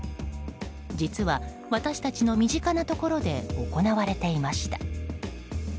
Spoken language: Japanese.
実は、私たちの身近なところで行われていました。